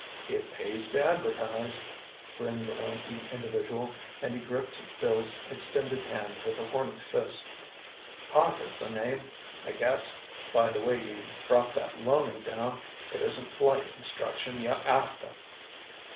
"It pays to advertise," grinned the lanky individual, and he gripped Bill's extended hand with a horny fist. "Parker's the name. I guess, by the way you brought that Loening down, it isn't flight instruction you're after!"